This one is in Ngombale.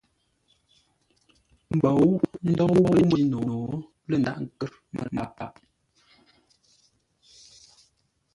Mbǒu ndǒu məjíno lə ndàghʼ kə́r məlâʼ.